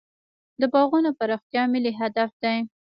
د باغونو پراختیا ملي هدف دی.